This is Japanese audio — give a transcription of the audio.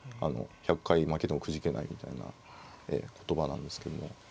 １００回負けてもくじけないみたいな言葉なんですけども。